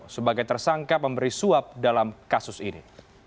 sebagai tersangka pemberi suap dalam kasus ini